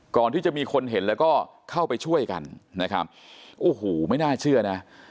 ก่อนที่จะมีคนเห็นแล้วก็เข้าไปช่วยกันนะครับโอ้โหไม่น่าเชื่อนะ